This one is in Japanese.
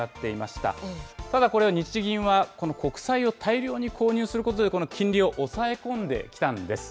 ただこれは日銀は、この国債を大量に購入することで、この金利を抑え込んできたんです。